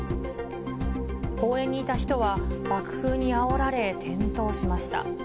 公園にいた人は爆風にあおられ転倒しました。